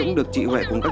không nói nào còn em